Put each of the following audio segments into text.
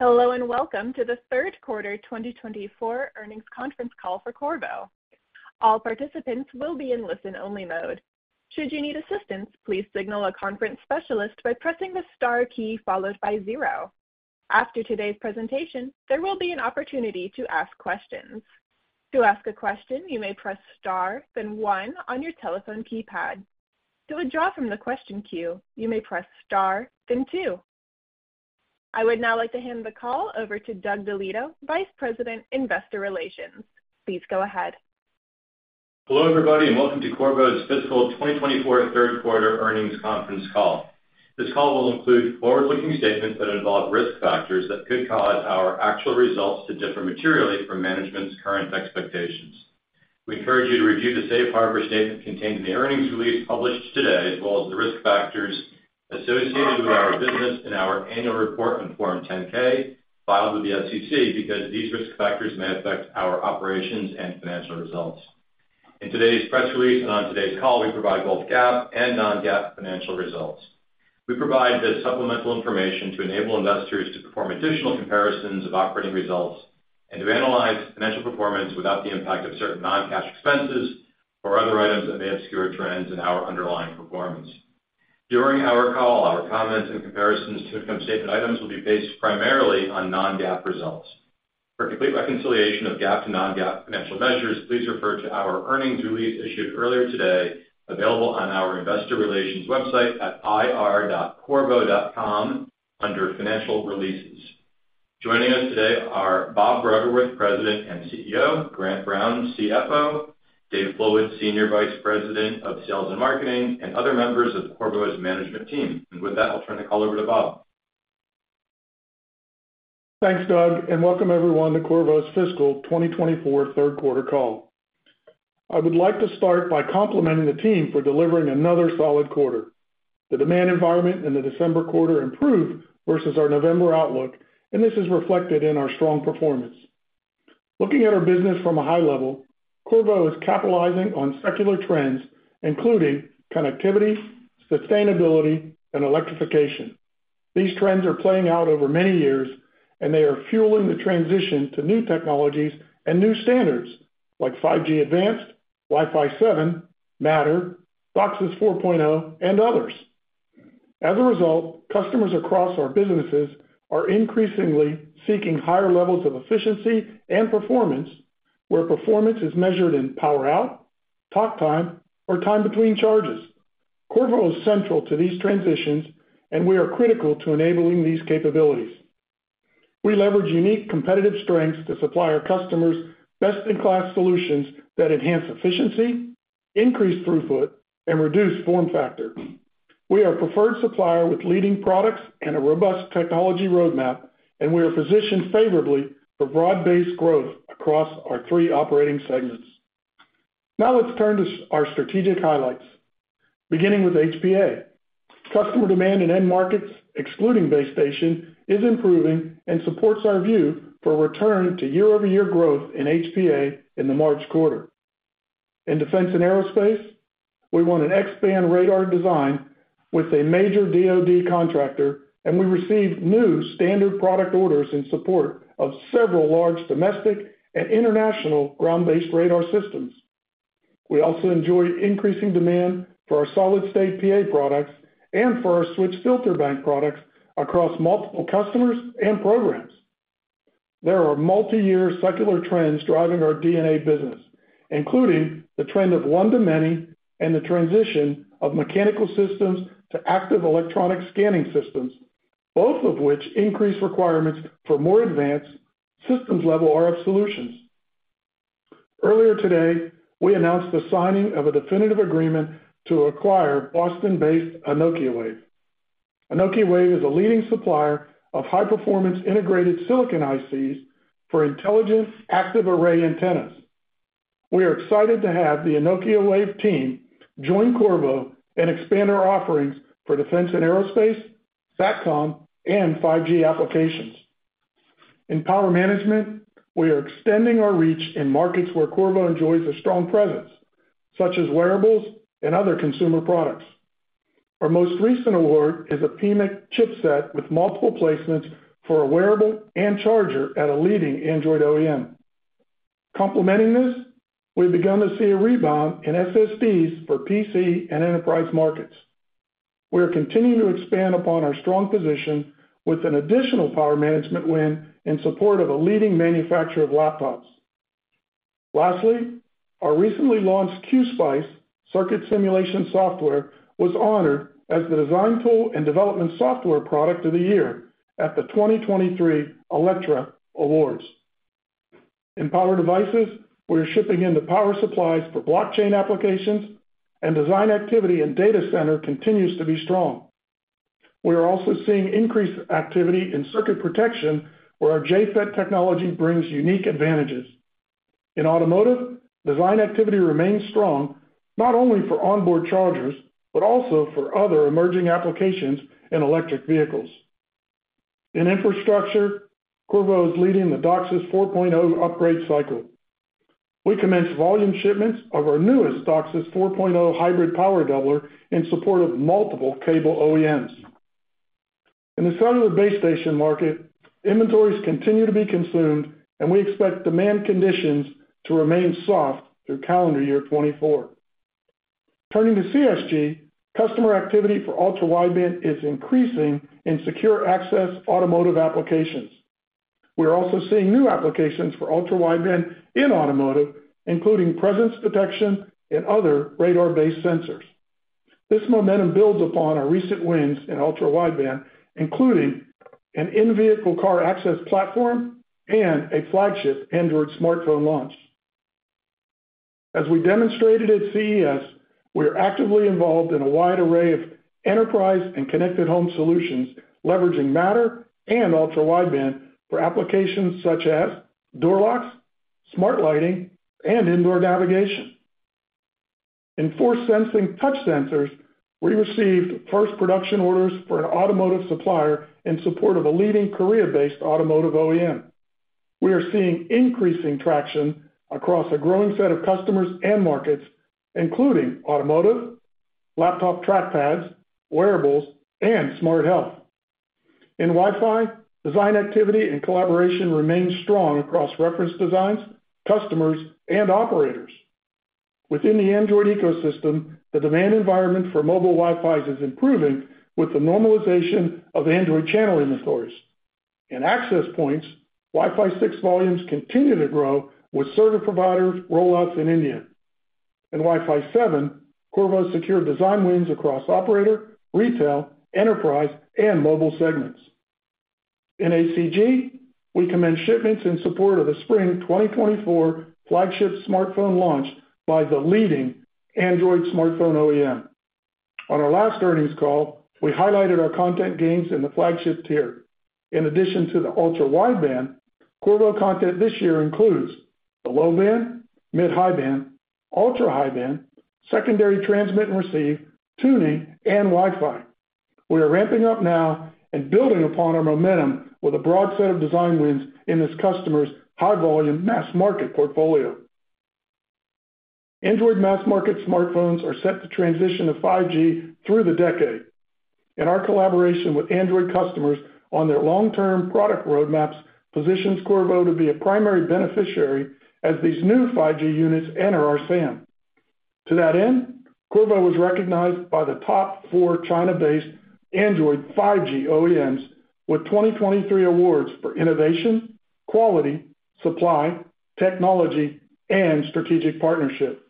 Hello, and welcome to the third quarter 2024 earnings conference call for Qorvo. All participants will be in listen-only mode. Should you need assistance, please signal a conference specialist by pressing the star key followed by zero. After today's presentation, there will be an opportunity to ask questions. To ask a question, you may press star, then one on your telephone keypad. To withdraw from the question queue, you may press star, then two. I would now like to hand the call over to Doug Delieto, Vice President, Investor Relations. Please go ahead. Hello, everybody, and welcome to Qorvo's fiscal 2024 third quarter earnings conference call. This call will include forward-looking statements that involve risk factors that could cause our actual results to differ materially from management's current expectations. We encourage you to review the safe harbor statement contained in the earnings release published today, as well as the risk factors associated with our business and our annual report on Form 10-K, filed with the SEC, because these risk factors may affect our operations and financial results. In today's press release and on today's call, we provide both GAAP and non-GAAP financial results. We provide this supplemental information to enable investors to perform additional comparisons of operating results and to analyze financial performance without the impact of certain non-cash expenses or other items that may obscure trends in our underlying performance. During our call, our comments and comparisons to income statement items will be based primarily on non-GAAP results. For complete reconciliation of GAAP to non-GAAP financial measures, please refer to our earnings release issued earlier today, available on our investor relations website at ir.qorvo.com under financial releases. Joining us today are Bob Bruggeworth, President and CEO, Grant Brown, CFO, Dave Fullwood, Senior Vice President of Sales and Marketing, and other members of Qorvo's management team. With that, I'll turn the call over to Bob. Thanks, Doug, and welcome everyone to Qorvo's fiscal 2024 third quarter call. I would like to start by complimenting the team for delivering another solid quarter. The demand environment in the December quarter improved versus our November outlook, and this is reflected in our strong performance. Looking at our business from a high level, Qorvo is capitalizing on secular trends, including connectivity, sustainability, and electrification. These trends are playing out over many years, and they are fueling the transition to new technologies and new standards like 5G Advanced, Wi-Fi 7, Matter, DOCSIS 4.0, and others. As a result, customers across our businesses are increasingly seeking higher levels of efficiency and performance, where performance is measured in power out, talk time, or time between charges. Qorvo is central to these transitions, and we are critical to enabling these capabilities. We leverage unique competitive strengths to supply our customers best-in-class solutions that enhance efficiency, increase throughput, and reduce form factor. We are a preferred supplier with leading products and a robust technology roadmap, and we are positioned favorably for broad-based growth across our three operating segments. Now, let's turn to our strategic highlights. Beginning with HPA, customer demand in end markets, excluding base station, is improving and supports our view for a return to year-over-year growth in HPA in the March quarter. In Defense and Aerospace, we won an X-band radar design with a major DoD contractor, and we received new standard product orders in support of several large Domestic and international ground-based radar systems. We also enjoy increasing demand for our solid-state PA products and for our switched filter bank products across multiple customers and programs. There are multiyear secular trends driving our D&A business, including the trend of one to many and the transition of mechanical systems to active electronic scanning systems, both of which increase requirements for more advanced systems-level RF solutions. Earlier today, we announced the signing of a definitive agreement to acquire Boston-based Anokiwave. Anokiwave is a leading supplier of high-performance integrated silicon ICs for intelligent, active array antennas. We are excited to have the Anokiwave team join Qorvo and expand our offerings for Defense and Aerospace, SATCOM, and 5G applications. In power management, we are extending our reach in markets where Qorvo enjoys a strong presence, such as wearables and other consumer products. Our most recent award is a PMIC chipset with multiple placements for a wearable and charger at a leading Android OEM. Complementing this, we've begun to see a rebound in SSDs for PC and enterprise markets. We are continuing to expand upon our strong position with an additional power management win in support of a leading manufacturer of laptops. Lastly, our recently launched QSPICE circuit simulation software was honored as the design tool and development software product of the year at the 2023 Elektra Awards. In power devices, we are shipping into power supplies for blockchain applications, and design activity in data center continues to be strong. We are also seeing increased activity in circuit protection, where our JFET technology brings unique advantages. In automotive, design activity remains strong, not only for onboard chargers, but also for other emerging applications in electric vehicles. In infrastructure, Qorvo is leading the DOCSIS 4.0 upgrade cycle. We commenced volume shipments of our newest DOCSIS 4.0 hybrid power doubler in support of multiple cable OEMs. In the cellular base station market, inventories continue to be consumed, and we expect demand conditions to remain soft through calendar year 2024. Turning to CSG, customer activity for ultra-wideband is increasing in secure access automotive applications. We are also seeing new applications for ultra-wideband in automotive, including presence detection and other radar-based sensors. This momentum builds upon our recent wins in ultra-wideband, including an in-vehicle car access platform and a flagship Android smartphone launch. As we demonstrated at CES, we are actively involved in a wide array of enterprise and connected home solutions, leveraging Matter and ultra-wideband for applications such as door locks, smart lighting, and indoor navigation. In force sensing touch sensors, we received first production orders for an automotive supplier in support of a leading Korea-based automotive OEM. We are seeing increasing traction across a growing set of customers and markets, including automotive, laptop trackpads, wearables, and smart health. In Wi-Fi, design activity and collaboration remains strong across reference designs, customers, and operators. Within the Android ecosystem, the demand environment for mobile Wi-Fis is improving with the normalization of Android channel inventories. In access points, Wi-Fi 6 volumes continue to grow with service provider rollouts in India. In Wi-Fi 7, Qorvo secured design wins across operator, retail, enterprise, and mobile segments. In ACG, we commenced shipments in support of the spring 2024 flagship smartphone launch by the leading Android smartphone OEM. On our last earnings call, we highlighted our content gains in the flagship tier. In addition to the ultra-wideband, Qorvo content this year includes the low band, mid-high band, ultra-high band, secondary transmit and receive, tuning, and Wi-Fi. We are ramping up now and building upon our momentum with a broad set of design wins in this customer's high-volume mass market portfolio. Android mass-market smartphones are set to transition to 5G through the decade, and our collaboration with Android customers on their long-term product roadmaps positions Qorvo to be a primary beneficiary as these new 5G units enter our SAM. To that end, Qorvo was recognized by the top four China-based Android 5G OEMs with 2023 awards for innovation, quality, supply, technology, and strategic partnership.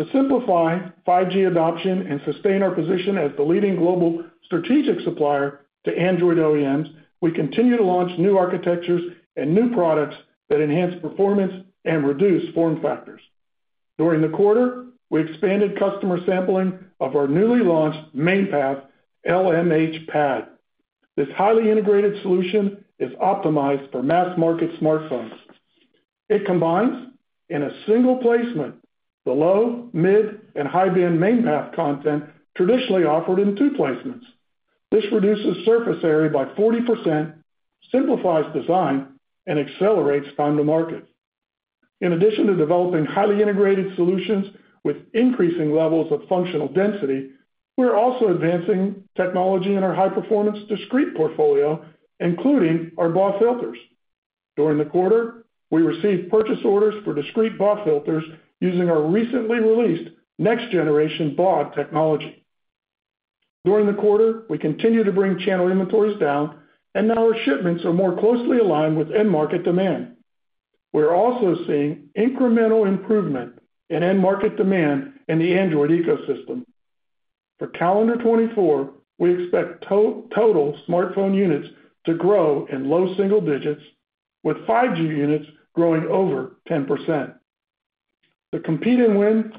To simplify 5G adoption and sustain our position as the leading global strategic supplier to Android OEMs, we continue to launch new architectures and new products that enhance performance and reduce form factors. During the quarter, we expanded customer sampling of our newly launched main path, LMH PAD. This highly integrated solution is optimized for mass-market smartphones. It combines, in a single placement, the low, mid, and high-band main path content traditionally offered in two placements. This reduces surface area by 40%, simplifies design, and accelerates time to market. In addition to developing highly integrated solutions with increasing levels of functional density, we are also advancing technology in our high-performance discrete portfolio, including our BAW filters. During the quarter, we received purchase orders for discrete BAW filters using our recently released next-generation BAW technology. During the quarter, we continued to bring channel inventories down, and now our shipments are more closely aligned with end-market demand. We are also seeing incremental improvement in end-market demand in the Android ecosystem. For calendar 2024, we expect total smartphone units to grow in low single digits, with 5G units growing over 10%. To compete and win,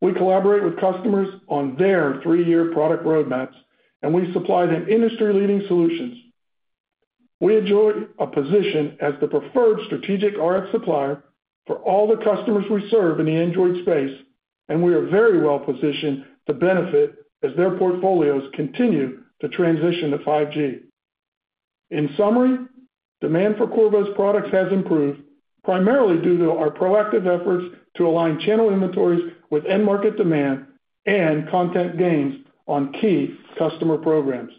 we collaborate with customers on their three-year product roadmaps, and we supply them industry-leading solutions. We enjoy a position as the preferred strategic RF supplier for all the customers we serve in the Android space, and we are very well positioned to benefit as their portfolios continue to transition to 5G. In summary, demand for Qorvo's products has improved, primarily due to our proactive efforts to align channel inventories with end-market demand and content gains on key customer programs.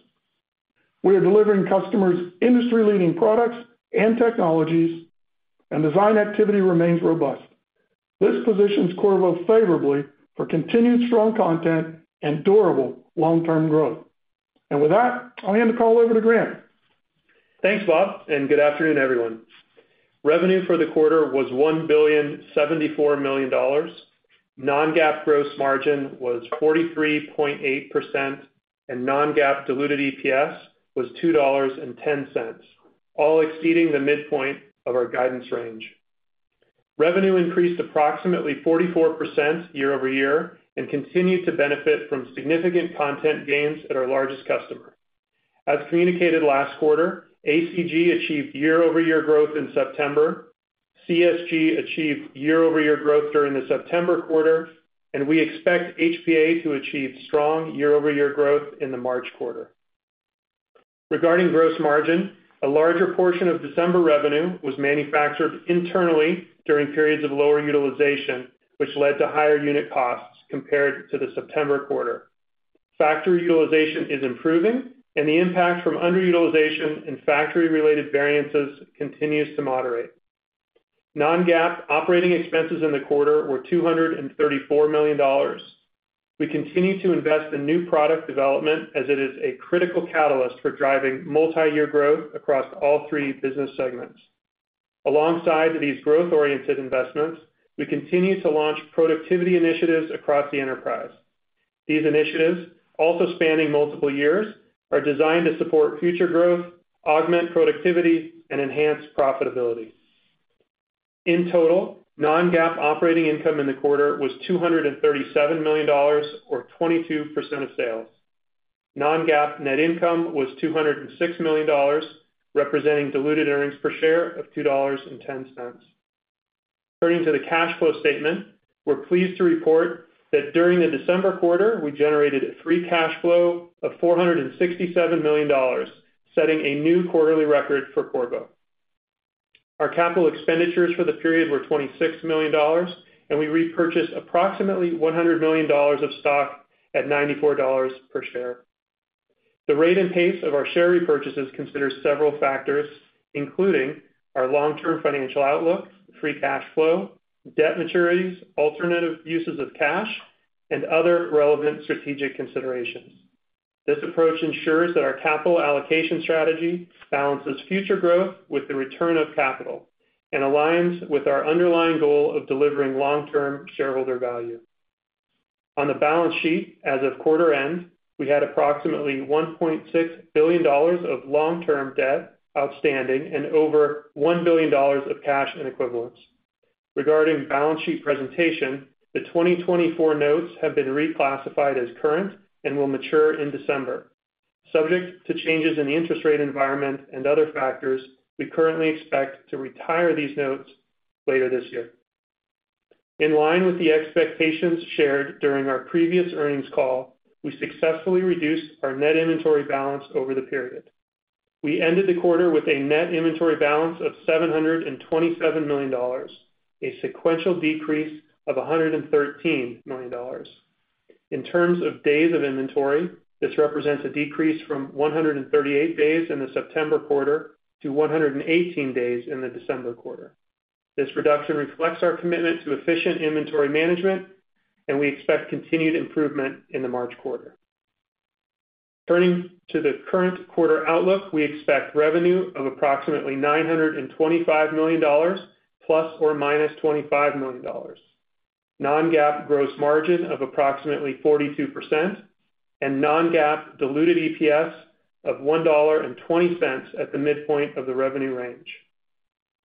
We are delivering customers industry-leading products and technologies, and design activity remains robust. This positions Qorvo favorably for continued strong content and durable long-term growth. And with that, I'll hand the call over to Grant. Thanks, Bob, and good afternoon, everyone. Revenue for the quarter was $1,074,000,000. Non-GAAP gross margin was 43.8%, and non-GAAP diluted EPS was $2.10, all exceeding the midpoint of our guidance range. Revenue increased approximately 44% year-over-year and continued to benefit from significant content gains at our largest customer. As communicated last quarter, ACG achieved year-over-year growth in September, CSG achieved year-over-year growth during the September quarter, and we expect HPA to achieve strong year-over-year growth in the March quarter. Regarding gross margin, a larger portion of December revenue was manufactured internally during periods of lower utilization, which led to higher unit costs compared to the September quarter. Factory utilization is improving, and the impact from underutilization and factory-related variances continues to moderate. Non-GAAP operating expenses in the quarter were $234 million. We continue to invest in new product development as it is a critical catalyst for driving multi-year growth across all three business segments. Alongside these growth-oriented investments, we continue to launch productivity initiatives across the enterprise. These initiatives, also spanning multiple years, are designed to support future growth, augment productivity, and enhance profitability. In total, non-GAAP operating income in the quarter was $237 million, or 22% of sales. Non-GAAP net income was $206 million, representing diluted earnings per share of $2.10. Turning to the cash flow statement, we're pleased to report that during the December quarter, we generated a free cash flow of $467 million, setting a new quarterly record for Qorvo. Our capital expenditures for the period were $26 million, and we repurchased approximately $100 million of stock at $94 per share. The rate and pace of our share repurchases consider several factors, including our long-term financial outlook, free cash flow, debt maturities, alternative uses of cash, and other relevant strategic considerations. This approach ensures that our capital allocation strategy balances future growth with the return of capital and aligns with our underlying goal of delivering long-term shareholder value. On the balance sheet, as of quarter end, we had approximately $1.6 billion of long-term debt outstanding and over $1 billion of cash and equivalents. Regarding balance sheet presentation, the 2024 notes have been reclassified as current and will mature in December. Subject to changes in the interest rate environment and other factors, we currently expect to retire these notes later this year. In line with the expectations shared during our previous earnings call, we successfully reduced our net inventory balance over the period. We ended the quarter with a net inventory balance of $727 million, a sequential decrease of $113 million. In terms of days of inventory, this represents a decrease from 138 days in the September quarter to 118 days in the December quarter. This reduction reflects our commitment to efficient inventory management, and we expect continued improvement in the March quarter. Turning to the current quarter outlook, we expect revenue of approximately $925 million ± $25 million, non-GAAP gross margin of approximately 42%, and non-GAAP diluted EPS of $1.20 at the midpoint of the revenue range.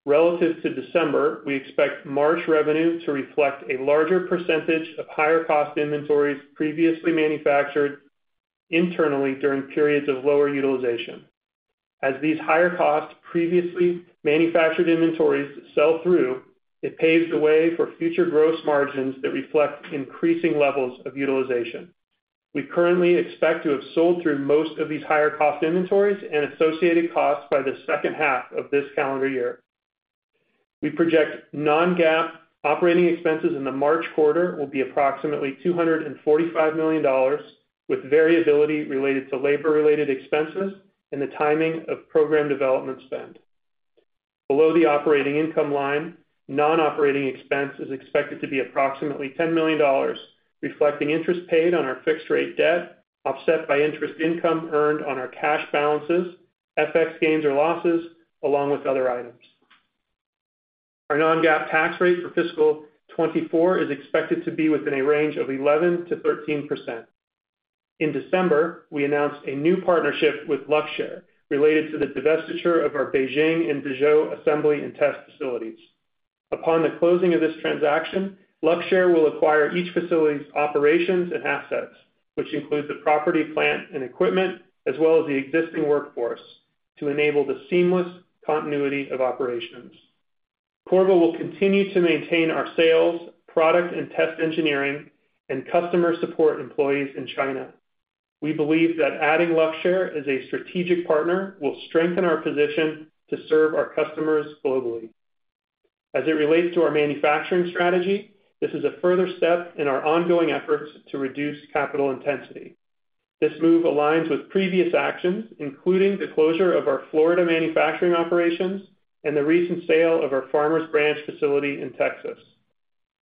Relative to December, we expect March revenue to reflect a larger percentage of higher cost inventories previously manufactured internally during periods of lower utilization. As these higher costs previously manufactured inventories sell through, it paves the way for future gross margins that reflect increasing levels of utilization. We currently expect to have sold through most of these higher cost inventories and associated costs by the second half of this calendar year. We project non-GAAP operating expenses in the March quarter will be approximately $245 million, with variability related to labor-related expenses and the timing of program development spend. Below the operating income line, non-operating expense is expected to be approximately $10 million, reflecting interest paid on our fixed rate debt, offset by interest income earned on our cash balances, FX gains or losses, along with other items. Our non-GAAP tax rate for fiscal 2024 is expected to be within a range of 11%-13%. In December, we announced a new partnership with Luxshare, related to the divestiture of our Beijing and Dezhou assembly and test facilities. Upon the closing of this transaction, Luxshare will acquire each facility's operations and assets, which includes the property, plant, and equipment, as well as the existing workforce, to enable the seamless continuity of operations. Qorvo will continue to maintain our sales, product and test engineering, and customer support employees in China. We believe that adding Luxshare as a strategic partner will strengthen our position to serve our customers globally. As it relates to our manufacturing strategy, this is a further step in our ongoing efforts to reduce capital intensity. This move aligns with previous actions, including the closure of our Florida manufacturing operations and the recent sale of our Farmers Branch facility in Texas.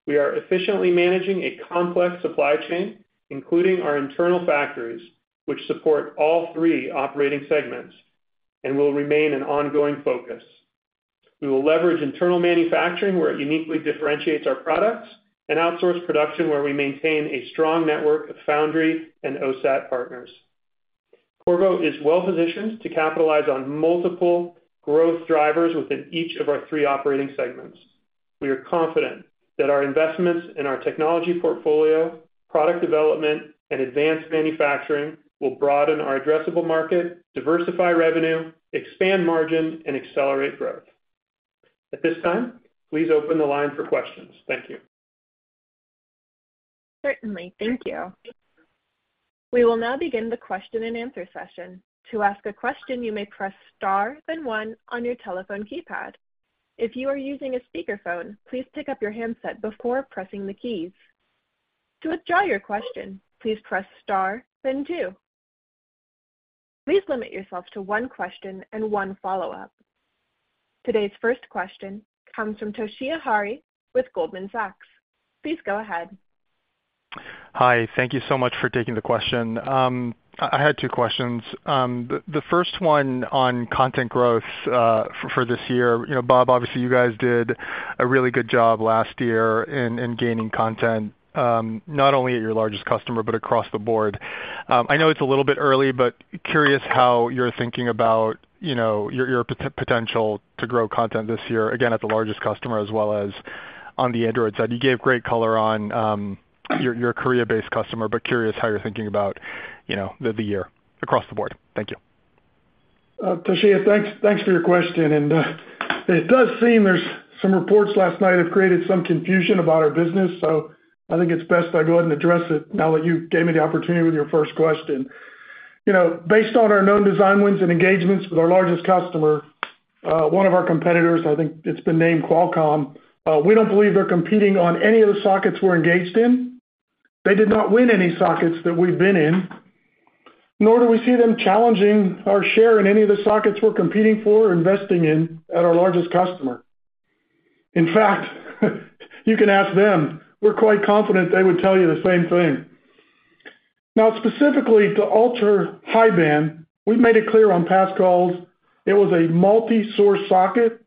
We are efficiently managing a complex supply chain, including our internal factories, which support all three operating segments and will remain an ongoing focus. We will leverage internal manufacturing where it uniquely differentiates our products and outsource production where we maintain a strong network of foundry and OSAT partners. Qorvo is well positioned to capitalize on multiple growth drivers within each of our three operating segments. We are confident that our investments in our technology portfolio, product development, and advanced manufacturing will broaden our addressable market, diversify revenue, expand margin, and accelerate growth. At this time, please open the line for questions. Thank you. Certainly. Thank you. We will now begin the question and answer session. To ask a question, you may press star, then one on your telephone keypad. If you are using a speakerphone, please pick up your handset before pressing the keys. To withdraw your question, please press star, then two. Please limit yourself to one question and one follow-up. Today's first question comes from Toshiya Hari with Goldman Sachs. Please go ahead. Hi, thank you so much for taking the question. I had two questions. The first one on content growth for this year. You know, Bob, obviously, you guys did a really good job last year in gaining content, not only at your largest customer, but across the board. I know it's a little bit early, but curious how you're thinking about, you know, your potential to grow content this year, again, at the largest customer, as well as on the Android side. You gave great color on your Korea-based customer, but curious how you're thinking about, you know, the year across the board. Thank you. Toshiya, thanks, thanks for your question, and it does seem there's some reports last night have created some confusion about our business, so I think it's best I go ahead and address it now that you gave me the opportunity with your first question. You know, based on our known design wins and engagements with our largest customer, one of our competitors, I think it's been named Qualcomm, we don't believe they're competing on any of the sockets we're engaged in. They did not win any sockets that we've been in, nor do we see them challenging our share in any of the sockets we're competing for or investing in at our largest customer. In fact, you can ask them. We're quite confident they would tell you the same thing. Now, specifically to ultra-high band, we've made it clear on past calls it was a multi-source socket,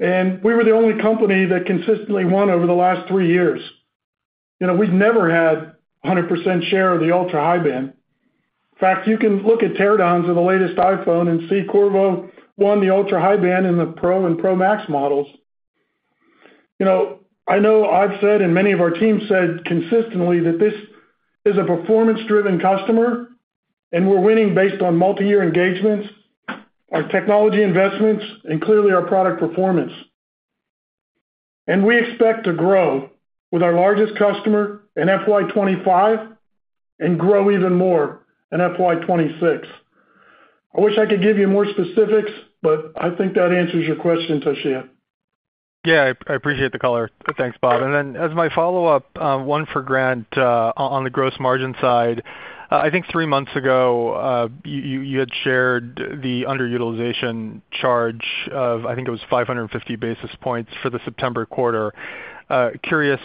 and we were the only company that consistently won over the last three years. You know, we've never had a 100% share of the ultra-high band. In fact, you can look at teardowns of the latest iPhone and see Qorvo won the ultra-high band in the Pro and Pro Max models. You know, I know I've said, and many of our team said consistently, that this is a performance-driven customer, and we're winning based on multi-year engagements, our technology investments, and clearly, our product performance. And we expect to grow with our largest customer in FY 2025 and grow even more in FY 2026. I wish I could give you more specifics, but I think that answers your question, Toshiya. Yeah, I appreciate the color. Thanks, Bob. And then as my follow-up, one for Grant, on the gross margin side. I think three months ago, you had shared the underutilization charge of, I think it was 550 basis points for the September quarter. Curious,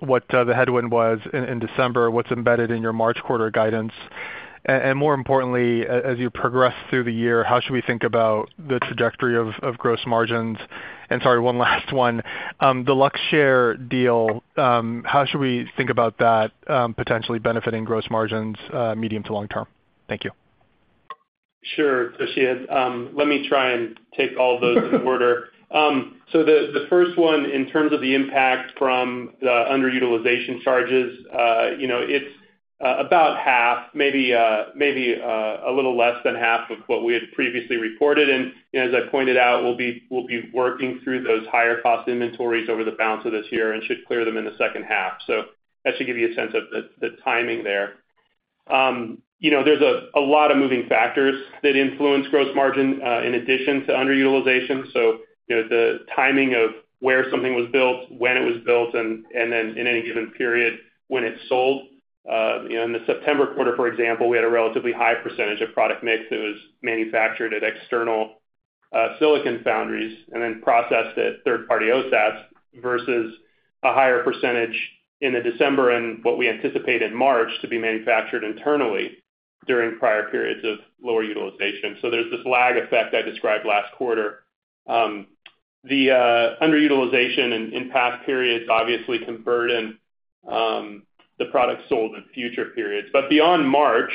what the headwind was in December, what's embedded in your March quarter guidance? And more importantly, as you progress through the year, how should we think about the trajectory of gross margins? And sorry, one last one. The Luxshare deal, how should we think about that, potentially benefiting gross margins, medium to long term? Thank you. Sure, Toshiya. Let me try and take all those in order. So the first one, in terms of the impact from the underutilization charges, you know, it's about half, maybe a little less than half of what we had previously reported. And, you know, as I pointed out, we'll be working through those higher-cost inventories over the balance of this year and should clear them in the second half. So that should give you a sense of the timing there. You know, there's a lot of moving factors that influence gross margin, in addition to underutilization. So, you know, the timing of where something was built, when it was built, and then in any given period when it's sold. You know, in the September quarter, for example, we had a relatively high percentage of product mix that was manufactured at external silicon foundries and then processed at third-party OSATs versus a higher percentage in the December and what we anticipate in March to be manufactured internally during prior periods of lower utilization. So there's this lag effect I described last quarter. The underutilization in past periods obviously converted the products sold in future periods. But beyond March,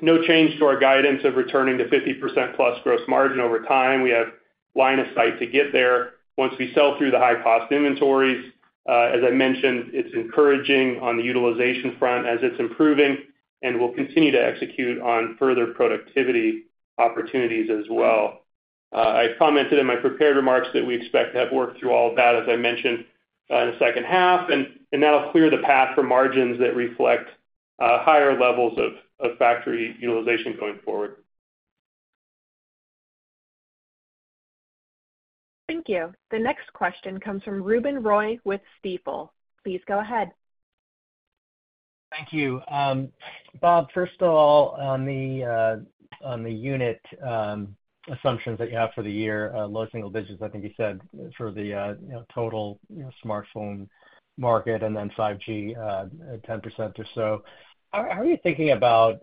no change to our guidance of returning to 50%+ gross margin over time. We have line of sight to get there once we sell through the high-cost inventories. As I mentioned, it's encouraging on the utilization front as it's improving, and we'll continue to execute on further productivity opportunities as well. I commented in my prepared remarks that we expect to have worked through all of that, as I mentioned, in the second half, and that'll clear the path for margins that reflect higher levels of factory utilization going forward. Thank you. The next question comes from Ruben Roy with Stifel. Please go ahead. Thank you. Bob, first of all, on the unit assumptions that you have for the year, low single digits, I think you said for the, you know, total, you know, smartphone market and then 5G at 10% or so, how are you thinking about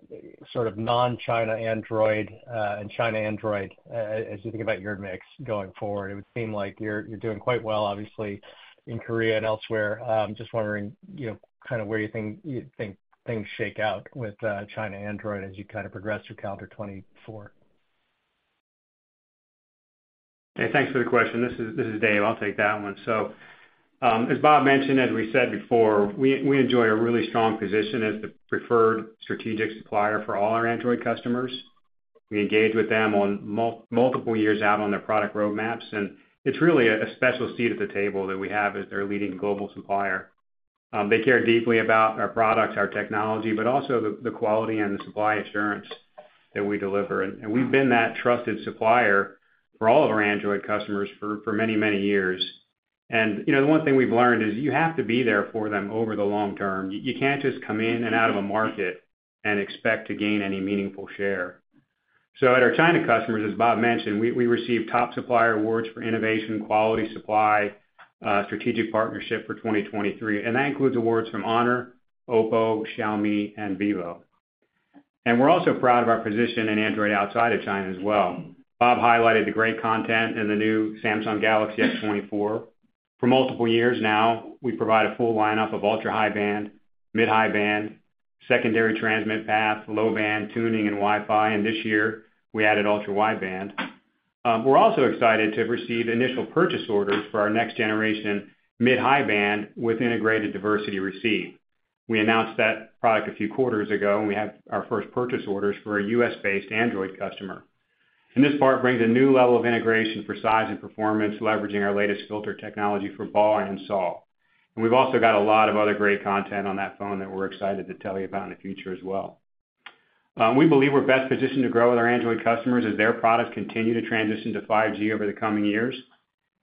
sort of non-China Android and China Android as you think about your mix going forward? It would seem like you're doing quite well, obviously, in Korea and elsewhere. Just wondering, you know, kind of where you think things shake out with China Android as you progress through calendar 2024. Hey, thanks for the question. This is Dave. I'll take that one. So, as Bob mentioned, as we said before, we enjoy a really strong position as the preferred strategic supplier for all our Android customers, we engage with them on multiple years out on their product roadmaps, and it's really a special seat at the table that we have as their leading global supplier. They care deeply about our products, our technology, but also the quality and the supply assurance that we deliver. And we've been that trusted supplier for all of our Android customers for many, many years. And, you know, the one thing we've learned is you have to be there for them over the long term. You can't just come in and out of a market and expect to gain any meaningful share. So at our China customers, as Bob mentioned, we received top supplier awards for innovation, quality, supply, strategic partnership for 2023, and that includes awards from Honor, OPPO, Xiaomi, and Vivo. We're also proud of our position in Android outside of China as well. Bob highlighted the great content in the new Samsung Galaxy S24. For multiple years now, we provide a full lineup of ultra-high band, mid-high band, secondary transmit path, low-band tuning and Wi-Fi, and this year we added ultra-wideband. We're also excited to receive initial purchase orders for our next generation mid-high band with integrated diversity receive. We announced that product a few quarters ago, and we have our first purchase orders for a U.S.-based Android customer. And this part brings a new level of integration for size and performance, leveraging our latest filter technology for BAW and SAW. And we've also got a lot of other great content on that phone that we're excited to tell you about in the future as well. We believe we're best positioned to grow with our Android customers as their products continue to transition to 5G over the coming years,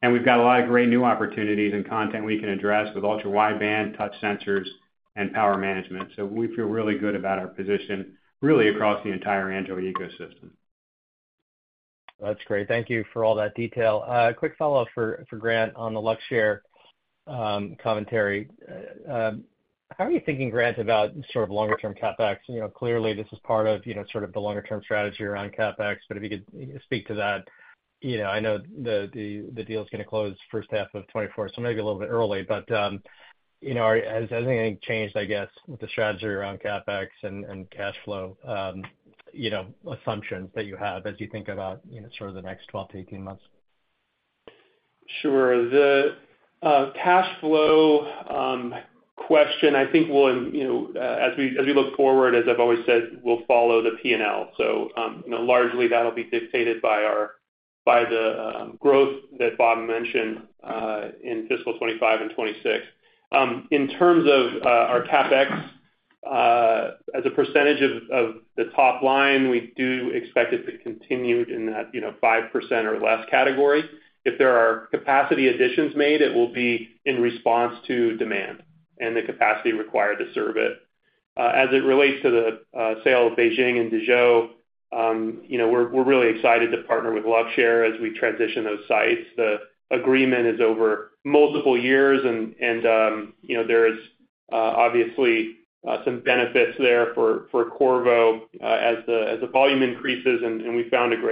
and we've got a lot of great new opportunities and content we can address with ultra-wideband, touch sensors, and power management. So we feel really good about our position, really, across the entire Android ecosystem. That's great. Thank you for all that detail. Quick follow-up for Grant on the Luxshare commentary. How are you thinking, Grant, about sort of longer-term CapEx? You know, clearly this is part of, you know, sort of the longer-term strategy around CapEx, but if you could, you know, speak to that. You know, I know the deal's gonna close first half of 2024, so maybe a little bit early, but, you know, has anything changed, I guess, with the strategy around CapEx and cash flow, you know, assumptions that you have as you think about, you know, sort of the next 12-18 months? Sure. The cash flow question, I think will, you know, as we look forward, as I've always said, we'll follow the P&L. So, you know, largely that'll be dictated by our, by the growth that Bob mentioned in fiscal 2025 and 2026. In terms of our CapEx as a percentage of the top line, we do expect it to continue in that, you know, 5% or less category. If there are capacity additions made, it will be in response to demand and the capacity required to serve it. As it relates to the sale of Beijing and Dezhou, you know, we're really excited to partner with Luxshare as we transition those sites. The agreement is over multiple years and, you know, there is obviously some benefits there for Qorvo, as the volume increases, and we're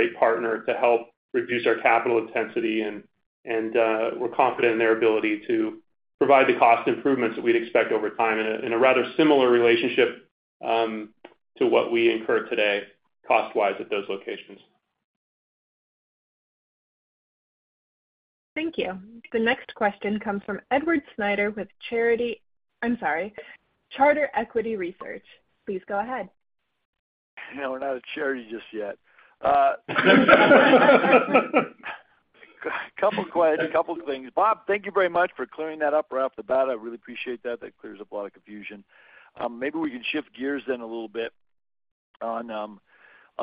confident in their ability to provide the cost improvements that we'd expect over time in a rather similar relationship to what we incur today, cost-wise, at those locations. Thank you. The next question comes from Edward Snyder with Charter... I'm sorry, Charter Equity Research. Please go ahead. No, we're not a charity just yet. Couple things. Bob, thank you very much for clearing that up right off the bat. I really appreciate that. That clears up a lot of confusion. Maybe we can shift gears then a little bit on, on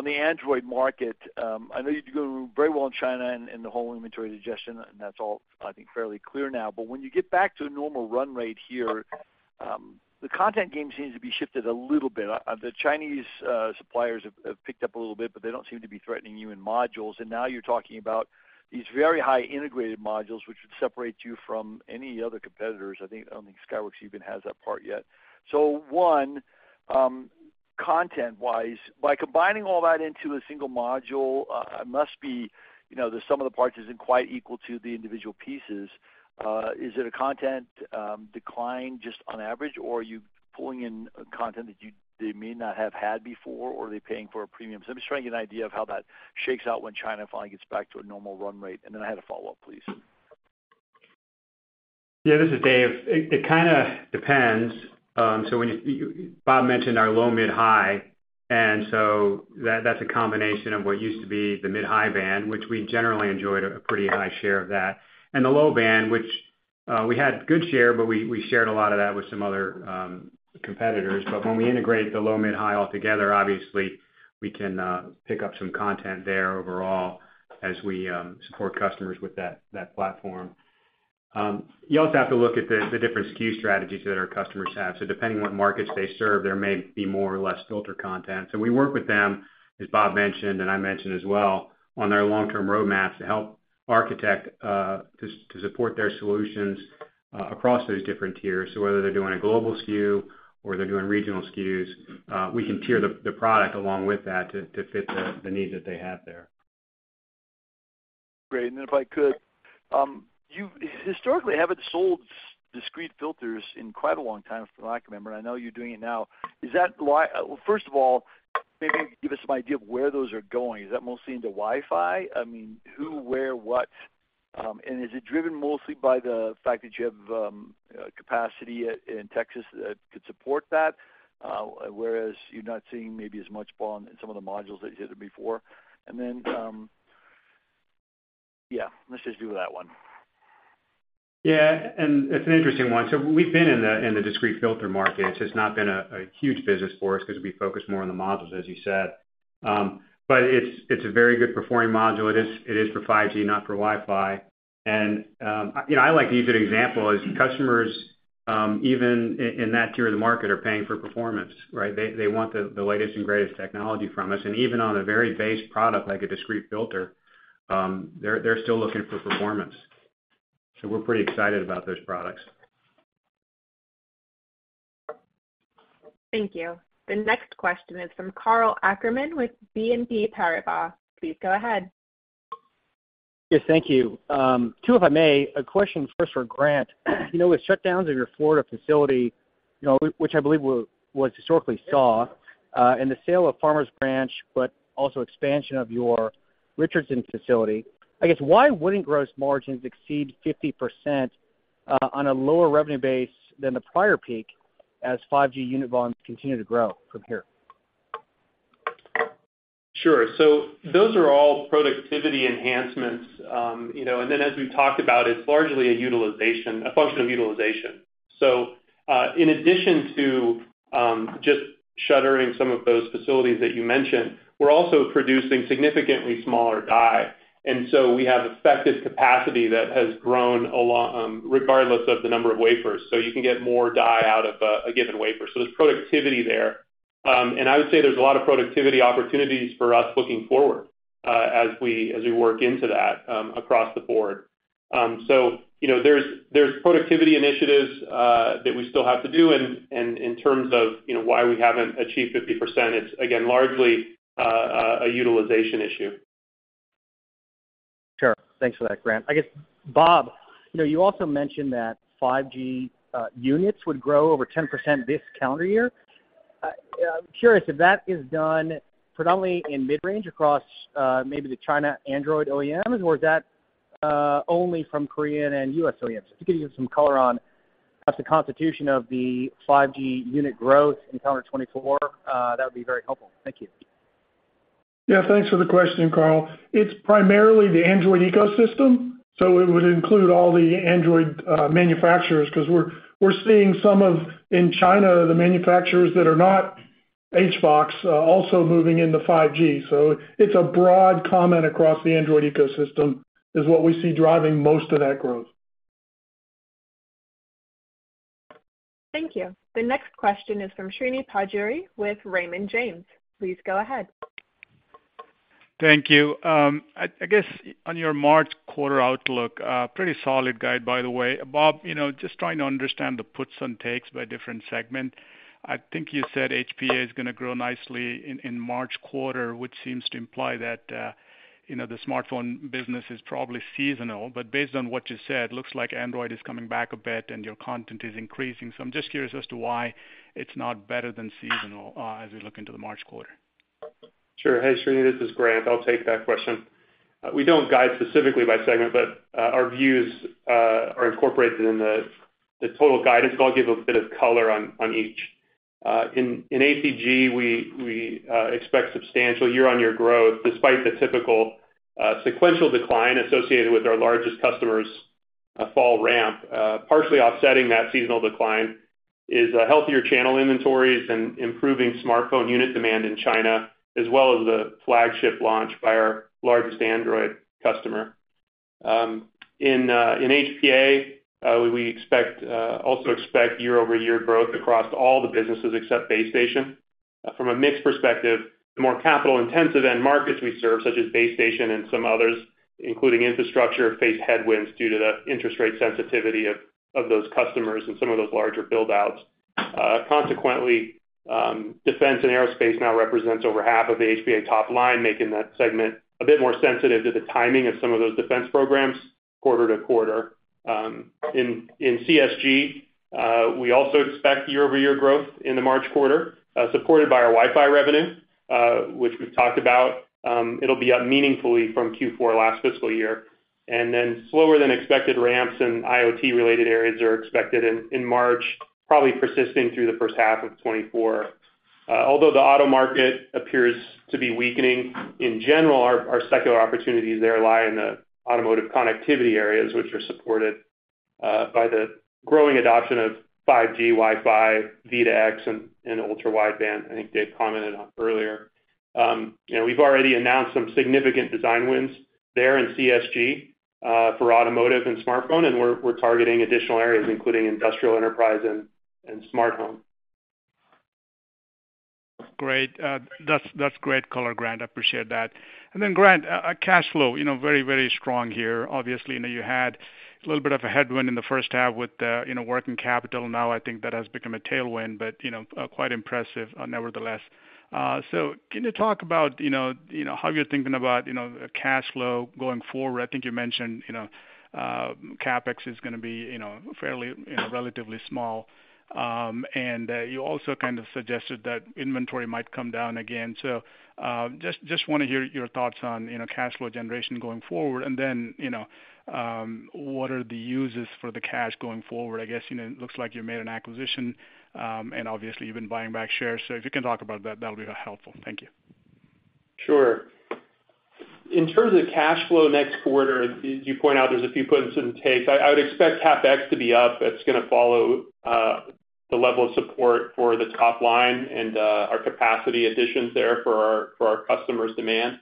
the Android market. I know you're doing very well in China and the whole inventory digestion, and that's all, I think, fairly clear now. But when you get back to a normal run rate here, the content game seems to be shifted a little bit. The Chinese suppliers have picked up a little bit, but they don't seem to be threatening you in modules, and now you're talking about these very high integrated modules, which would separate you from any other competitors. I think, I don't think Skyworks even has that part yet. So one, content-wise, by combining all that into a single module, it must be, you know, the sum of the parts isn't quite equal to the individual pieces. Is it a content decline just on average, or are you pulling in content that you they may not have had before, or are they paying for a premium? So I'm just trying to get an idea of how that shakes out when China finally gets back to a normal run rate, and then I had a follow-up, please. Yeah, this is Dave. It kind of depends. So when Bob mentioned our low, mid, high, and so that's a combination of what used to be the mid-high band, which we generally enjoyed a pretty high share of that. And the low band, which we had good share, but we shared a lot of that with some other competitors. But when we integrate the low, mid, high altogether, obviously, we can pick up some content there overall as we support customers with that platform. You also have to look at the different SKU strategies that our customers have. So depending on what markets they serve, there may be more or less filter content. We work with them, as Bob mentioned, and I mentioned as well, on their long-term roadmaps to help architect to support their solutions across those different tiers. Whether they're doing a global SKU or they're doing regional SKUs, we can tier the product along with that to fit the needs that they have there. Great. And then if I could, you historically haven't sold discrete filters in quite a long time, if I remember, and I know you're doing it now. Is that why? Well, first of all, maybe give us some idea of where those are going. Is that mostly into Wi-Fi? I mean, who, where, what? And is it driven mostly by the fact that you have capacity in Texas that could support that, whereas you're not seeing maybe as much volume in some of the modules that you had before? And then, yeah, let's just do that one. Yeah, and it's an interesting one. So we've been in the discrete filter market. It's just not been a huge business for us because we focus more on the modules, as you said. But it's a very good performing module. It is for 5G, not for Wi-Fi. And, you know, I like to use it as an example, as customers, even in that tier of the market, are paying for performance, right? They want the latest and greatest technology from us, and even on a very base product like a discrete filter, they're still looking for performance. So we're pretty excited about those products. Thank you. The next question is from Karl Ackerman with BNP Paribas. Please go ahead. Yes, thank you. Two, if I may, a question first for Grant. You know, with shutdowns in your Florida facility, you know, which I believe was historically SAW, and the sale of Farmers Branch, but also expansion of your Richardson facility, I guess, why wouldn't gross margins exceed 50%, on a lower revenue base than the prior peak as 5G unit volumes continue to grow from here? Sure. So those are all productivity enhancements. You know, and then as we've talked about, it's largely a utilization, a function of utilization. So, in addition to just shuttering some of those facilities that you mentioned, we're also producing significantly smaller die, and so we have effective capacity that has grown a lot, regardless of the number of wafers, so you can get more die out of a given wafer. So there's productivity there. And I would say there's a lot of productivity opportunities for us looking forward, as we work into that, across the board. So you know, there's productivity initiatives that we still have to do, and in terms of, you know, why we haven't achieved 50%, it's, again, largely a utilization issue. Sure. Thanks for that, Grant. I guess, Bob, you know, you also mentioned that 5G units would grow over 10% this calendar year. I'm curious if that is done predominantly in mid-range across, maybe the China Android OEMs, or is that only from Korean and U.S. OEMs? If you could give some color on what's the constitution of the 5G unit growth in calendar 2024, that would be very helpful. Thank you. Yeah, thanks for the question, Karl. It's primarily the Android ecosystem, so it would include all the Android manufacturers, because we're seeing some of, in China, the manufacturers that are not Huawei, also moving into 5G. So it's a broad comment across the Android ecosystem, is what we see driving most of that growth. Thank you. The next question is from Srini Pajjuri with Raymond James. Please go ahead. Thank you. I guess on your March quarter outlook, pretty solid guide, by the way. Bob, you know, just trying to understand the puts and takes by different segment. I think you said HPA is gonna grow nicely in March quarter, which seems to imply that, you know, the smartphone business is probably seasonal. But based on what you said, looks like Android is coming back a bit and your content is increasing. So I'm just curious as to why it's not better than seasonal, as we look into the March quarter. Sure. Hey, Srini, this is Grant. I'll take that question. We don't guide specifically by segment, but our views are incorporated in the total guidance. But I'll give a bit of color on each. In ACG, we expect substantial year-on-year growth, despite the typical sequential decline associated with our largest customer's fall ramp. Partially offsetting that seasonal decline is healthier channel inventories and improving smartphone unit demand in China, as well as the flagship launch by our largest Android customer. In HPA, we also expect year-over-year growth across all the businesses except base station. From a mix perspective, the more capital-intensive end markets we serve, such as base station and some others, including infrastructure, face headwinds due to the interest rate sensitivity of those customers and some of those larger buildouts. Consequently, Defense and Aerospace now represents over half of the HPA top line, making that segment a bit more sensitive to the timing of some of those defense programs quarter-to-quarter. In CSG, we also expect year-over-year growth in the March quarter, supported by our Wi-Fi revenue, which we've talked about. It'll be up meaningfully from Q4 last fiscal year, and then slower than expected ramps and IoT-related areas are expected in March, probably persisting through the first half of 2024. Although the auto market appears to be weakening, in general, our secular opportunities there lie in the automotive connectivity areas, which are supported by the growing adoption of 5G, Wi-Fi, V2X, and ultra-wideband, I think Dave commented on earlier. You know, we've already announced some significant design wins there in CSG for automotive and smartphone, and we're targeting additional areas, including industrial, enterprise, and smart home. Great. That's, that's great color, Grant. I appreciate that. And then, Grant, cash flow, you know, very, very strong here. Obviously, you know, you had a little bit of a headwind in the first half with, you know, working capital. Now, I think that has become a tailwind, but, you know, quite impressive, nevertheless. So can you talk about, you know, you know, how you're thinking about, you know, cash flow going forward? I think you mentioned, you know, CapEx is gonna be, you know, fairly, you know, relatively small. And, you also kind of suggested that inventory might come down again. So, just, just wanna hear your thoughts on, you know, cash flow generation going forward, and then, you know, what are the uses for the cash going forward? I guess, you know, it looks like you made an acquisition, and obviously you've been buying back shares. So if you can talk about that, that would be helpful. Thank you. Sure. In terms of cash flow next quarter, as you point out, there's a few puts and takes. I would expect CapEx to be up. It's gonna follow the level of support for the top line and our capacity additions there for our customers' demand.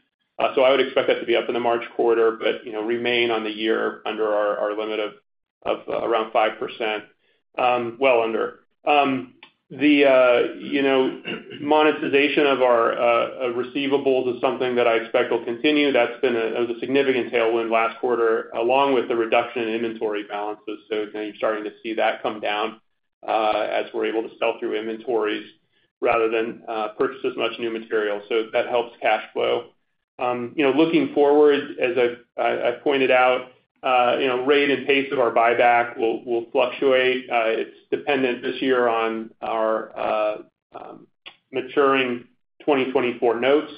So I would expect that to be up in the March quarter, but, you know, remain on the year under our limit of around 5%, well under. The, you know, monetization of our receivables is something that I expect will continue. That was a significant tailwind last quarter, along with the reduction in inventory balances. So you're starting to see that come down as we're able to sell through inventories rather than purchase as much new material, so that helps cash flow. You know, looking forward, as I've pointed out, you know, rate and pace of our buyback will fluctuate. It's dependent this year on our maturing 2024 notes,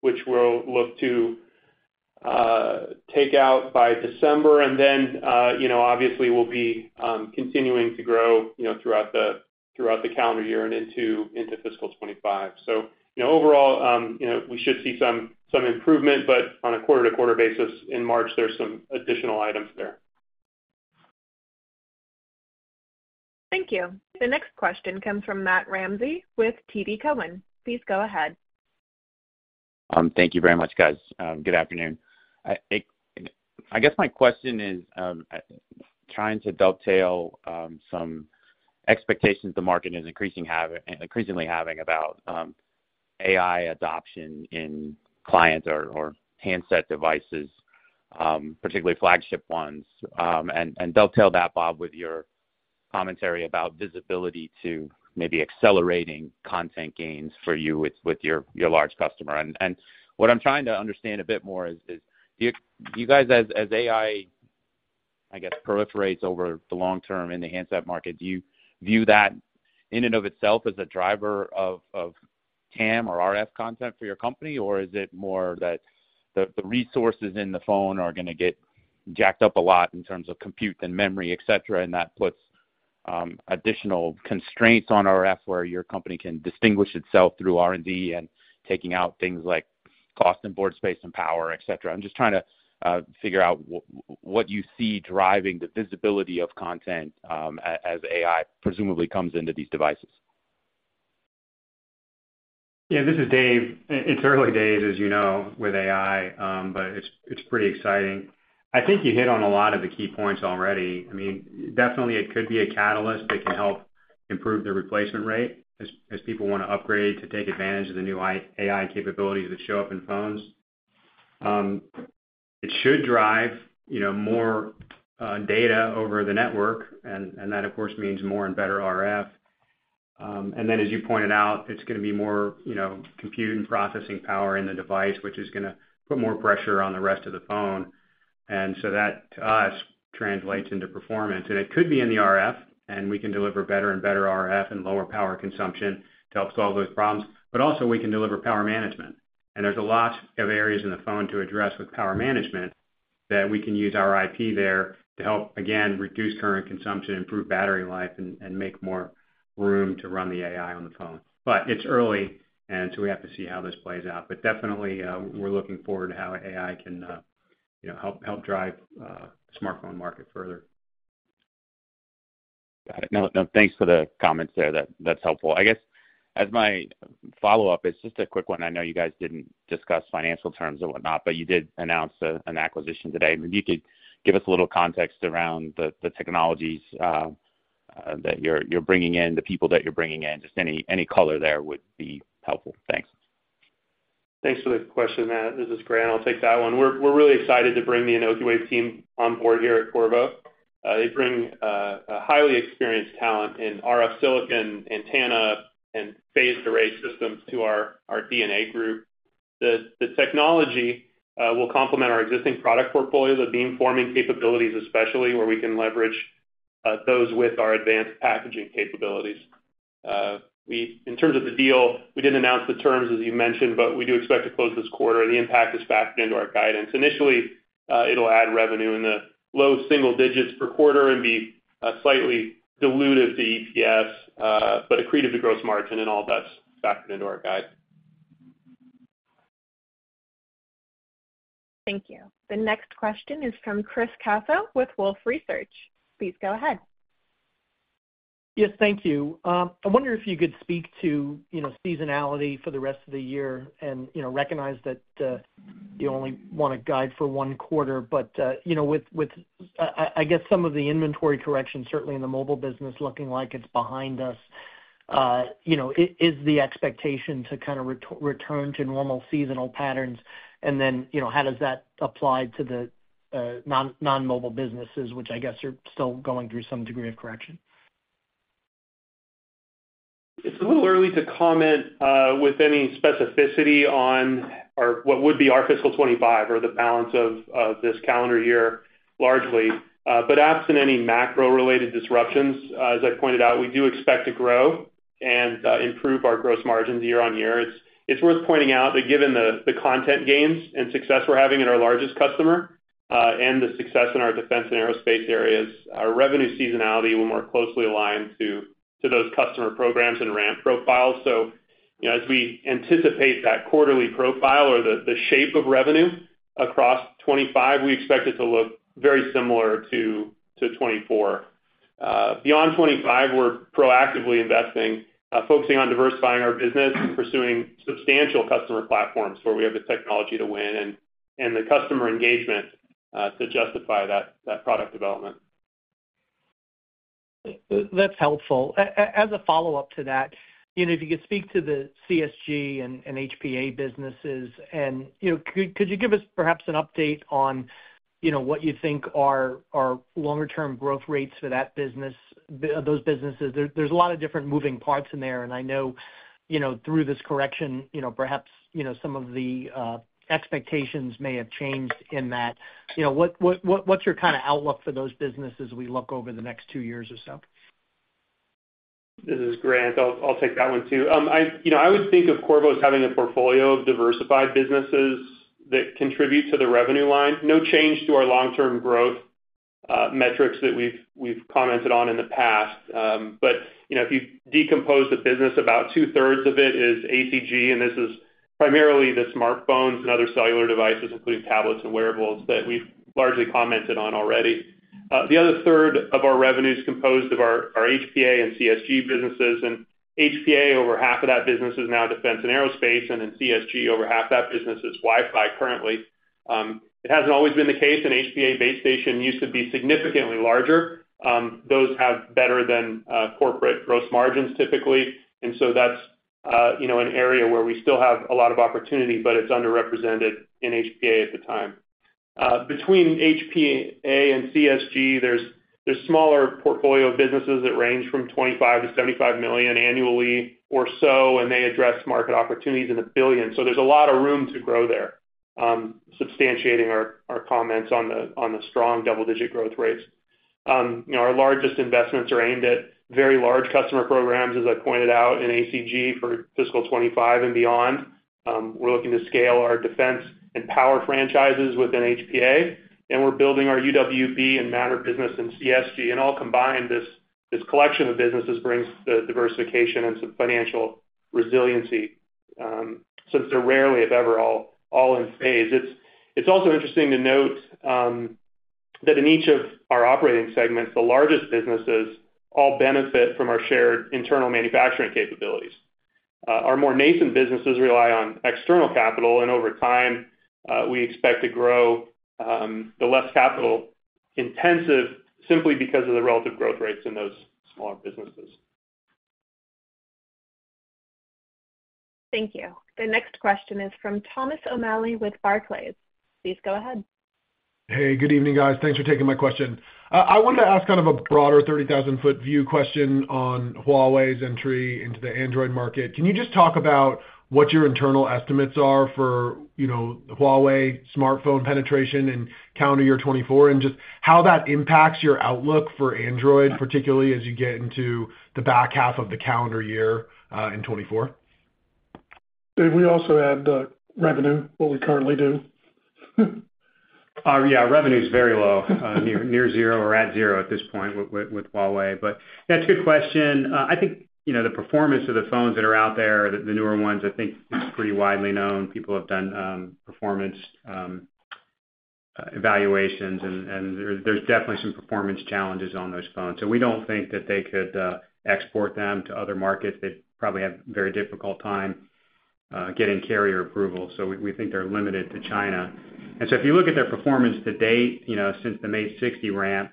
which we'll look to take out by December. And then, you know, obviously, we'll be continuing to grow, you know, throughout the calendar year and into fiscal 2025. So, you know, overall, you know, we should see some improvement, but on a quarter-to-quarter basis in March, there's some additional items there. Thank you. The next question comes from Matt Ramsay with TD Cowen. Please go ahead. Thank you very much, guys. Good afternoon. I guess my question is trying to dovetail some expectations the market is increasingly having about AI adoption in client or handset devices, particularly flagship ones. And dovetail that, Bob, with your commentary about visibility to maybe accelerating content gains for you with your large customer. And what I'm trying to understand a bit more is, do you guys, as AI proliferates over the long term in the handset market, view that in and of itself as a driver of TAM or RF content for your company? Or is it more that the resources in the phone are gonna get jacked up a lot in terms of compute and memory, et cetera, and that puts additional constraints on RF, where your company can distinguish itself through R&D and taking out things like cost and board space and power, et cetera? I'm just trying to figure out what you see driving the visibility of content, as AI presumably comes into these devices. Yeah, this is Dave. It's early days, as you know, with AI, but it's pretty exciting. I think you hit on a lot of the key points already. I mean, definitely it could be a catalyst that can help improve the replacement rate as people want to upgrade to take advantage of the new AI capabilities that show up in phones. It should drive, you know, more data over the network, and that, of course, means more and better RF. And then, as you pointed out, it's gonna be more, you know, compute and processing power in the device, which is gonna put more pressure on the rest of the phone. And so that, to us, translates into performance. And it could be in the RF, and we can deliver better and better RF and lower power consumption to help solve those problems, but also we can deliver power management. And there's a lot of areas in the phone to address with power management that we can use our IP there to help, again, reduce current consumption, improve battery life, and, and make more room to run the AI on the phone. But it's early, and so we have to see how this plays out. But definitely, we're looking forward to how AI can, you know, help, help drive, the smartphone market further. Got it. No, no, thanks for the comments there. That, that's helpful. I guess, as my follow-up, it's just a quick one. I know you guys didn't discuss financial terms or whatnot, but you did announce an acquisition today. If you could give us a little context around the technologies that you're bringing in, the people that you're bringing in, just any color there would be helpful. Thanks. Thanks for the question, Matt. This is Grant. I'll take that one. We're really excited to bring the Anokiwave team on board here at Qorvo. They bring a highly experienced talent in RF silicon, antenna, and phased array systems to our HPA group. The technology will complement our existing product portfolio, the beamforming capabilities, especially, where we can leverage those with our advanced packaging capabilities. In terms of the deal, we didn't announce the terms, as you mentioned, but we do expect to close this quarter. The impact is factored into our guidance. Initially, it'll add revenue in the low single digits per quarter and be slightly dilutive to EPS, but accretive to gross margin, and all that's factored into our guide. Thank you. The next question is from Chris Caso with Wolfe Research. Please go ahead. Yes, thank you. I wonder if you could speak to, you know, seasonality for the rest of the year and, you know, recognize that, you only want to guide for one quarter. But, you know, with, I guess some of the inventory corrections, certainly in the mobile business, looking like it's behind us, you know, is the expectation to kind of return to normal seasonal patterns? And then, you know, how does that apply to the, non-mobile businesses, which I guess are still going through some degree of correction? It's a little early to comment with any specificity on our what would be our fiscal 2025 or the balance of this calendar year, largely. But absent any macro-related disruptions, as I pointed out, we do expect to grow and improve our gross margins year-over-year. It's worth pointing out that given the content gains and success we're having in our largest customer and the success in our Defense and Aerospace areas, our revenue seasonality will more closely align to those customer programs and ramp profiles. So, you know, as we anticipate that quarterly profile or the shape of revenue across 2025, we expect it to look very similar to 2024. Beyond 2025, we're proactively investing, focusing on diversifying our business and pursuing substantial customer platforms where we have the technology to win and, and the customer engagement, to justify that, that product development. That's helpful. As a follow-up to that, you know, if you could speak to the CSG and HPA businesses and, you know, could you give us perhaps an update on, you know, what you think are longer term growth rates for that business, those businesses? There's a lot of different moving parts in there, and I know, you know, through this correction, you know, perhaps, you know, some of the expectations may have changed in that. You know, what's your kind of outlook for those businesses as we look over the next two years or so? This is Grant. I'll take that one, too. You know, I would think of Qorvo as having a portfolio of diversified businesses that contribute to the revenue line. No change to our long-term growth metrics that we've commented on in the past. But you know, if you decompose the business, about 2/3 of it is ACG, and this is primarily the smartphones and other cellular devices, including tablets and wearables, that we've largely commented on already. The other third of our revenue is composed of our HPA and CSG businesses, and HPA, over half of that business is now Defense and Aerospace, and in CSG, over half that business is Wi-Fi currently. It hasn't always been the case, and HPA base station used to be significantly larger. Those have better than corporate gross margins, typically. That's, you know, an area where we still have a lot of opportunity, but it's underrepresented in HPA at the time. Between HPA and CSG, there's a smaller portfolio of businesses that range from $25 million-$75 million annually or so, and they address market opportunities in a $1 billion. There's a lot of room to grow there, substantiating our comments on the strong double-digit growth rates. You know, our largest investments are aimed at very large customer programs, as I pointed out, in ACG for fiscal 2025 and beyond. We're looking to scale our defense and power franchises within HPA, and we're building our UWB and Matter business in CSG. All combined, this collection of businesses brings the diversification and some financial resiliency, since they're rarely, if ever, all in phase. It's also interesting to note that in each of our operating segments, the largest businesses all benefit from our shared internal manufacturing capabilities. Our more nascent businesses rely on external capital, and over time, we expect to grow the less capital-intensive, simply because of the relative growth rates in those smaller businesses. Thank you. The next question is from Thomas O'Malley with Barclays. Please go ahead. Hey, good evening, guys. Thanks for taking my question. I wanted to ask kind of a broader, 30,000-foot view question on Huawei's entry into the Android market. Can you just talk about what your internal estimates are for, you know, Huawei smartphone penetration in calendar year 2024, and just how that impacts your outlook for Android, particularly as you get into the back half of the calendar year in 2024? Dave, we also add the revenue, what we currently do. Yeah, revenue is very low, near zero or at zero at this point with Huawei. But that's a good question. I think, you know, the performance of the phones that are out there, the newer ones, I think it's pretty widely known. People have done performance evaluations, and there's definitely some performance challenges on those phones. So we don't think that they could export them to other markets. They'd probably have a very difficult time getting carrier approval, so we think they're limited to China. And so if you look at their performance to date, you know, since the Mate 60 ramp,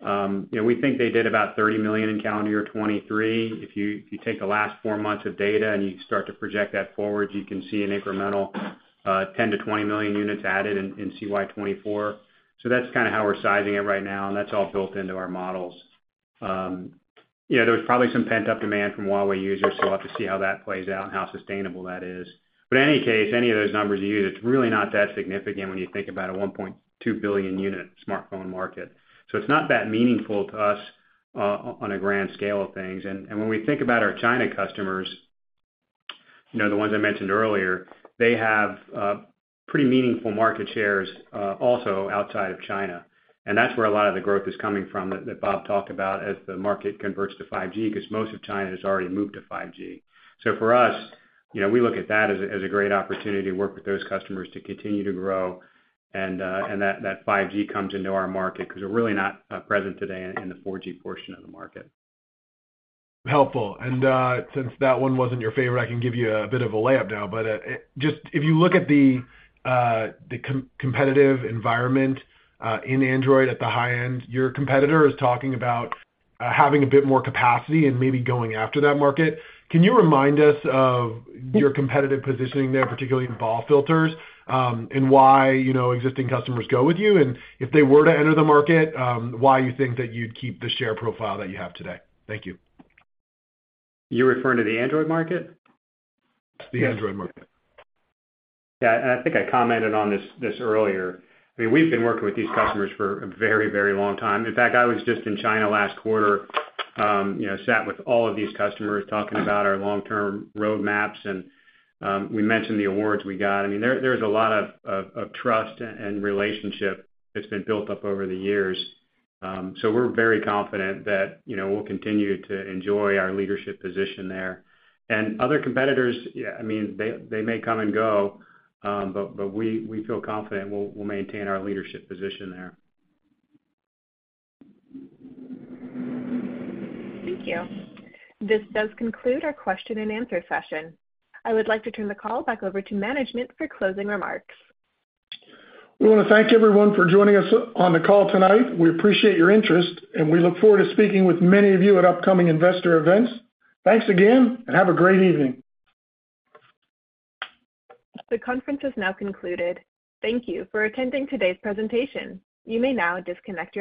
you know, we think they did about 30 million in calendar year 2023. If you take the last four months of data and you start to project that forward, you can see an incremental 10-20 million units added in CY 2024. So that's kind of how we're sizing it right now, and that's all built into our models. You know, there was probably some pent-up demand from Huawei users, so we'll have to see how that plays out and how sustainable that is. But any case, any of those numbers you use, it's really not that significant when you think about a 1.2 billion-unit smartphone market. So it's not that meaningful to us on a grand scale of things. And when we think about our China customers, you know, the ones I mentioned earlier, they have pretty meaningful market shares also outside of China, and that's where a lot of the growth is coming from, that Bob talked about, as the market converts to 5G, because most of China has already moved to 5G. So for us, you know, we look at that as a great opportunity to work with those customers to continue to grow, and that 5G comes into our market, because we're really not present today in the 4G portion of the market. Helpful. And since that one wasn't your favorite, I can give you a bit of a layup now. But just if you look at the competitive environment in Android at the high end, your competitor is talking about having a bit more capacity and maybe going after that market. Can you remind us of your competitive positioning there, particularly in BAW filters, and why, you know, existing customers go with you? And if they were to enter the market, why you think that you'd keep the share profile that you have today? Thank you. You're referring to the Android market? The Android market. Yeah, and I think I commented on this earlier. I mean, we've been working with these customers for a very, very long time. In fact, I was just in China last quarter, you know, sat with all of these customers talking about our long-term roadmaps, and we mentioned the awards we got. I mean, there's a lot of trust and relationship that's been built up over the years. So we're very confident that, you know, we'll continue to enjoy our leadership position there. And other competitors, yeah, I mean, they may come and go, but we feel confident we'll maintain our leadership position there. Thank you. This does conclude our question and answer session. I would like to turn the call back over to management for closing remarks. We want to thank everyone for joining us on the call tonight. We appreciate your interest, and we look forward to speaking with many of you at upcoming investor events. Thanks again, and have a great evening. The conference is now concluded. Thank you for attending today's presentation. You may now disconnect your lines.